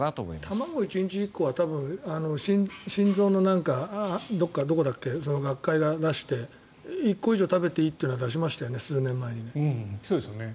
卵１日１個は心臓のどこだっけ学会が出して１個以上食べていいと出しましたよね、数年前に。